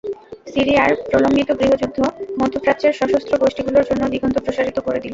সিরিয়ার প্রলম্বিত গৃহযুদ্ধ মধ্যপ্রাচ্যের সশস্ত্র গোষ্ঠীগুলোর জন্য দিগন্ত প্রসারিত করে দিল।